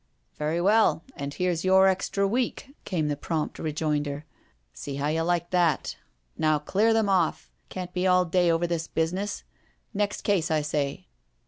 " Very well, and here's your extra week," came the prompt rejoinder. " See how you like that. Now, clear them off— can't be all day over this business. Next case, I say.'